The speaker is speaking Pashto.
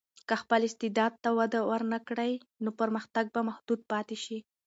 که خپل استعداد ته وده ورنکړې، نو پرمختګ به محدود پاتې شي.